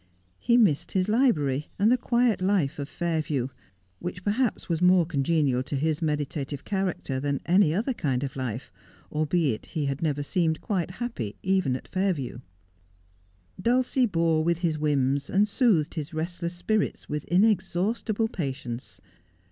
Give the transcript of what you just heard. He missed his library, and the quiet life of Fairview, which perhaps was more congenial to his meditative character than any other kind of life, albeit he had never seemed quite happy even at Fairview. Dulcie bore with his whims, and soothed his restless spirits with inexhaustible patience.